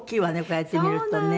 こうやって見るとね。